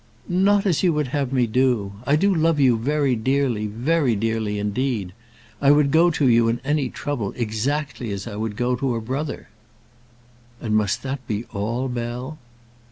"Not as you would have me do. I do love you very dearly, very dearly, indeed. I would go to you in any trouble, exactly as I would go to a brother." "And must that be all, Bell?"